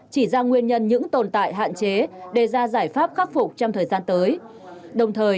chỉ ra nguyên nhân những tồn tại hạn chế đề ra giải pháp khắc phục trong thời gian tới đồng thời